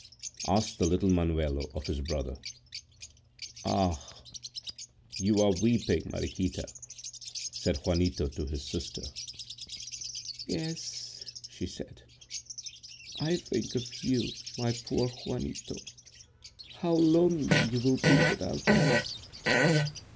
asked the little Manuelo of his brother. "Ah! you are weeping, Mariquita!" said Juanito to his sister. "Yes," she said, "I think of you, my poor Juanito; how lonely you will be without us."